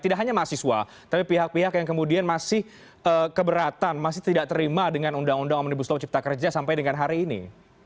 tidak hanya mahasiswa tapi pihak pihak yang kemudian masih keberatan masih tidak terima dengan undang undang omnibus law cipta kerja sampai dengan hari ini